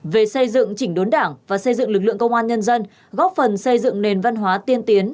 về xây dựng chỉnh đốn đảng và xây dựng lực lượng công an nhân dân góp phần xây dựng nền văn hóa tiên tiến